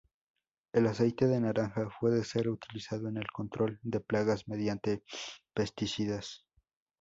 El aceite de naranja puede ser utilizado en el control de plagas mediante pesticidas.